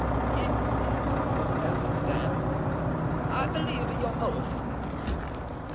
"It is well, madame, I believe your oath."